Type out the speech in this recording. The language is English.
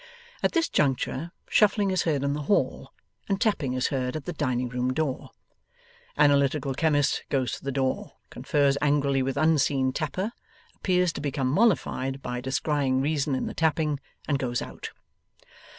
At this juncture, shuffling is heard in the hall, and tapping is heard at the dining room door. Analytical Chemist goes to the door, confers angrily with unseen tapper, appears to become mollified by descrying reason in the tapping, and goes out.